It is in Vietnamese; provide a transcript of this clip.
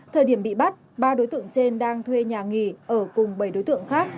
thời điểm bị bắt ba đối tượng trên đang thuê nhà nghỉ ở cùng bảy đối tượng khác